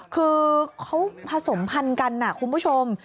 คือเขาผสมพันธุ์กันนะคุณผู้ชม